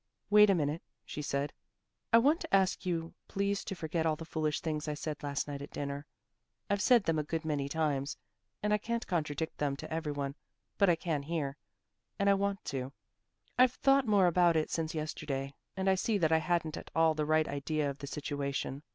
"Wait a minute," she said. "I want to ask you please to forget all the foolish things I said last night at dinner. I've said them a good many times, and I can't contradict them to every one, but I can here and I want to. I've thought more about it since yesterday, and I see that I hadn't at all the right idea of the situation.